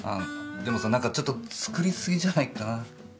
でもさ何かちょっと作りすぎじゃないかな。